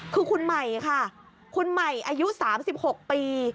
คือคุณใหม่ค่ะคุณใหม่อายุสามสิบหกปี